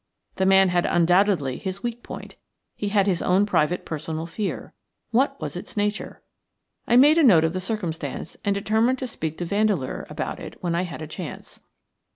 The man had undoubtedly his weak point; he had his own private personal fear. What was its nature? I made a note of the circumstance and determined to speak to Vandeleur about it when I had a chance.